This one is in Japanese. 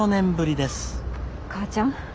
母ちゃん。